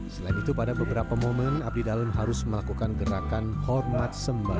selain itu pada beberapa momen abdi dalem harus melakukan gerakan hormat sembarangan